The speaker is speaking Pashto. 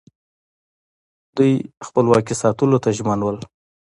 دوی خپلواکي ساتلو ته ژمن وو